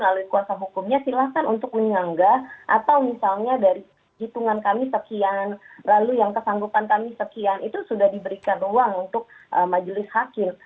melalui kuasa hukumnya silahkan untuk menyanggah atau misalnya dari hitungan kami sekian lalu yang kesanggupan kami sekian itu sudah diberikan ruang untuk majelis hakim